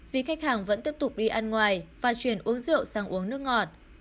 vì khách hàng vẫn tiếp tục đi ăn ngoài và chuyển uống rượu sang uống nước ngọt